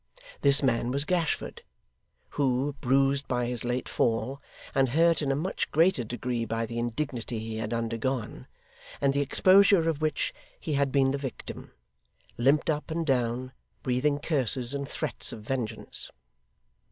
This man was Gashford, who, bruised by his late fall, and hurt in a much greater degree by the indignity he had undergone, and the exposure of which he had been the victim, limped up and down, breathing curses and threats of vengeance.